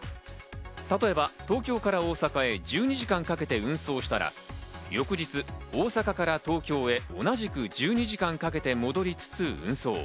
例えば東京から大阪へ１２時間かけて運送したら、翌日、大阪から東京へ同じく１２時間かけて戻りつつ運送。